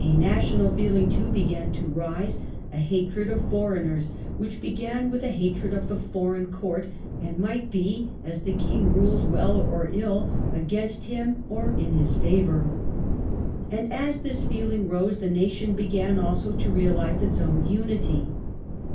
A national feeling, too, began to rise, a hatred of foreigners, which began with a hatred of the foreign court, and might be, as the king ruled well or ill, against him or in his favour. And as this feeling rose, the nation began also to realize its own unity.